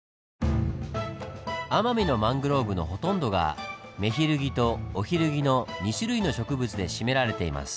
奄美のマングローブのほとんどがメヒルギとオヒルギの２種類の植物で占められています。